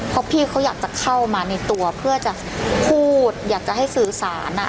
เพราะพี่เขาอยากจะเข้ามาในตัวเพื่อจะพูดอยากจะให้สื่อสาร